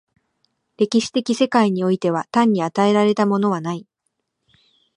歴史的世界においては単に与えられたものはない。